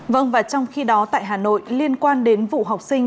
vâng và trong khi đó tại hà nội liên quan đến vụ học sinh